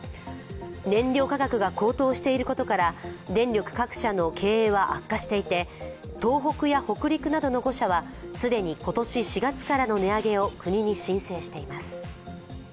燃料価格が高騰していることから電力各社の経営は悪化していて東北や北陸などの５社は既に今年４月からの値上げを国に申請しています。